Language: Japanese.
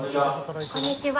こんにちは。